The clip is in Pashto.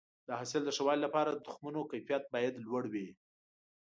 د حاصل د ښه والي لپاره د تخمونو کیفیت باید لوړ وي.